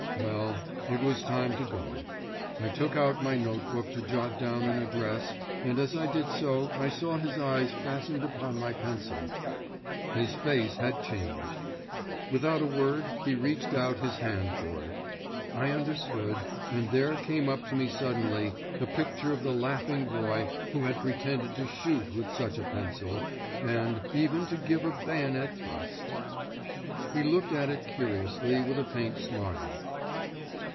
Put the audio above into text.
Well, it was time to go. I took out my notebook to jot down an address, and as I did so I saw his eyes fastened upon my pencil. His face had changed. Without a word, he reached out his hand for it. I understood—and there came up to me suddenly, a picture of the laughing boy who had pretended to shoot with such a pencil—and ... even to give a bayonet thrust! He looked at it curiously with a faint smile.